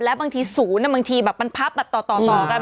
แล้วบางทีศูนย์บางทีแบบมันพับแบบต่อกัน